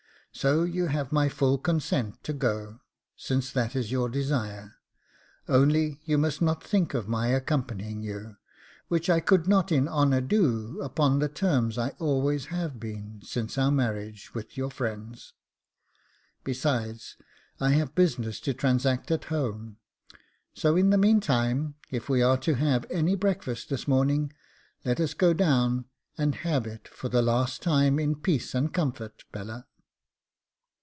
So you have my full consent to go, since that is your desire; only you must not think of my accompanying you, which I could not in honour do upon the terms I always have been, since our marriage, with your friends. Besides, I have business to transact at home; so in the meantime, if we are to have any breakfast this morning, let us go down and have it for the last time in peace and comfort, Bella.